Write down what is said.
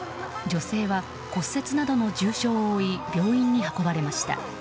女性は骨折などの重傷を負い病院に運ばれました。